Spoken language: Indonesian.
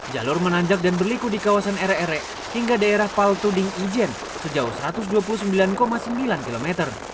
jalur menanjak dan berliku di kawasan ere ere hingga daerah paltuding ijen sejauh satu ratus dua puluh sembilan sembilan km